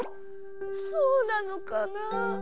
そうなのかな？